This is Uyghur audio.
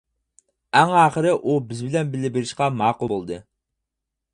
ئەڭ ئاخىرى ئۇ بىز بىلەن بىللە بېرىشقا ماقۇل بولدى.